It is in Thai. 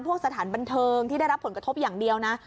สถานบันเทิงที่ได้รับผลกระทบอย่างเดียวนะ